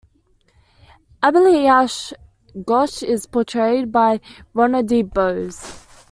Abhilash Ghosh is portrayed by Ronodeep Bose.